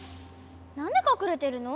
なんでかくれてるの？